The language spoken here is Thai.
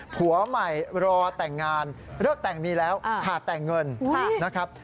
ผัวใหม่รอแต่งงานเลิกแต่งมีแล้วขาดแต่งเงินนะครับ